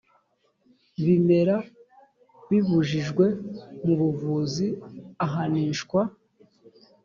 bimera bibujijwe mu buvuzi ahanishwa